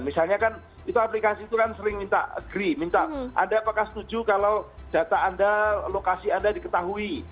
misalnya kan itu aplikasi itu kan sering minta agree minta anda apakah setuju kalau data anda lokasi anda diketahui